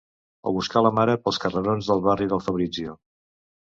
O buscar la mare pels carrerons del barri del Fabrizio.